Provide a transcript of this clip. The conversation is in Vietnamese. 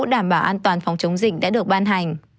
đảm bảo an toàn phòng chống dịch đã được ban hành